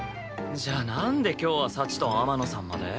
じゃあなんで今日は幸と天野さんまで？